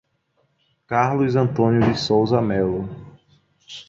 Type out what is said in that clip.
Carlos Antônio de Souza Melo